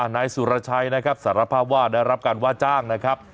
นายสุรชัยนะครับสารภาพว่าได้รับการว่าจ้างนะครับ